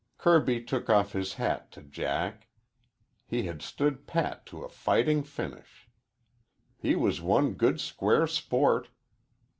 Kirby took off his hat to Jack. He had stood pat to a fighting finish. He was one good square sport.